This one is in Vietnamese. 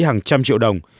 hàng trăm triệu đồng